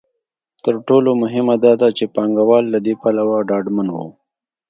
تر ټولو مهمه دا ده چې پانګوال له دې پلوه ډاډمن وو.